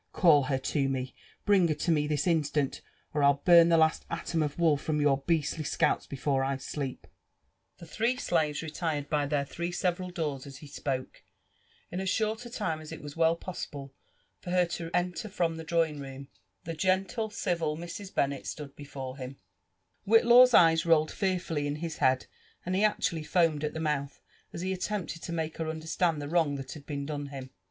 ^all her to ne— bring her te ■M this instant, or Til burn the last atom of wool froip your beastly sealps before I sleep I " The three slaves retired by dieir three several doors as he spoke. In as short a time as It was well possible for her te enter froni the drawtiig <'room, the gentle, civil Mrs.Bennel stood before him. WMtlaw'a eyes rolled fearfully in his head, and he actually feaoMd at 1|m mi^oth, as he attempted to i|iake her iiaderstand the wveng that had been done him.